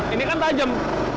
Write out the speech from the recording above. ini kan tajam